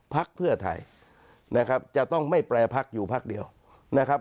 พักเพื่อไทยนะครับจะต้องไม่แปลพักอยู่พักเดียวนะครับ